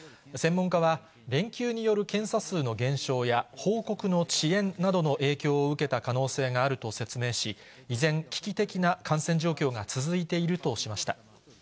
専門家は、連休による検査数の減少や、報告の遅延などの影響を受けた可能性があると説明し、依然、危機的な感染状況が続いているとしました。